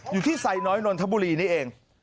อยู่ที่ไซน้อยนนทบุรีนี่เอง